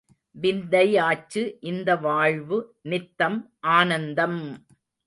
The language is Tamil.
விந்தை யாச்சு இந்த வாழ்வு நித்தம் ஆனந்தம்!